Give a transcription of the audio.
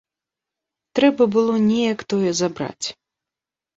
Трэба было неяк тое забраць.